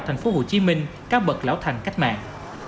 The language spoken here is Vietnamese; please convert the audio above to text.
tp hcm các bậc lão thành cách mạng